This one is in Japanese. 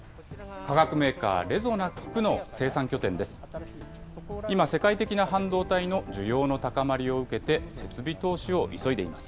化学メーカー、レゾナックの生産拠点です。